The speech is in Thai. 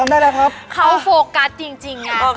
เข้าไปคือโฟกัสอะไร